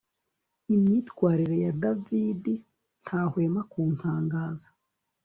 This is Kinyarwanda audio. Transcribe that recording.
Imyitwarire ya David ntahwema kuntangaza